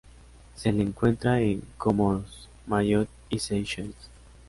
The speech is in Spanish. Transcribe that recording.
Se le encuentra en Comoros, Mayotte y Seychelles.